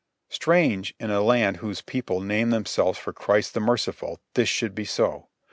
Strange, in a land whose people name themselves for Christ the Merciful, this should be so!